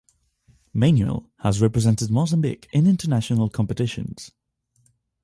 Manuel has represented Mozambique in international competitions.